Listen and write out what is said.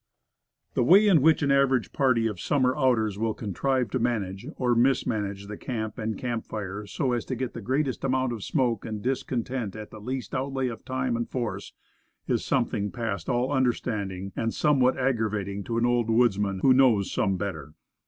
THE way in which an average party of summer outers will contrive to manage or mis man age the camp and camp fire so as to get the greatest amount of smoke and discomfort at the least outlay of time and force, is something past all understanding, and somewhat aggravating to an old woodsman who knows some better.